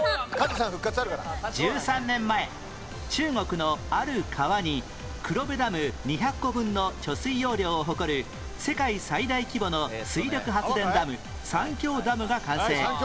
１３年前中国のある川に黒部ダム２００個分の貯水容量を誇る世界最大規模の水力発電ダム三峡ダムが完成